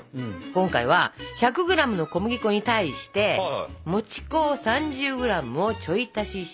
今回は１００ｇの小麦粉に対してもち粉を３０ｇをちょい足しします。